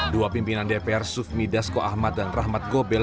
dua pimpinan dpr sufmi dasko ahmad dan rahmat gobel